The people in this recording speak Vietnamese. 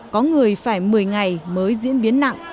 có người phải một mươi ngày mới diễn biến nặng